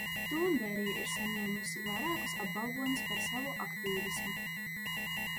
Tūnberja ir saņēmusi vairākus apbalvojumus par savu aktīvismu.